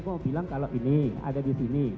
gue bilang kalau ini ada di sini